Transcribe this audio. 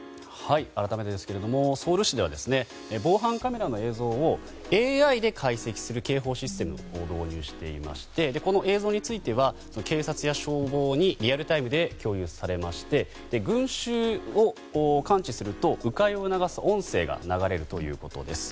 改めてですけれどもソウル市では防犯カメラの映像をＡＩで解析する警報システムを導入していましてこの映像については警察や消防にリアルタイムで共有されまして群衆を感知するとう回を促す音声が流れるということです。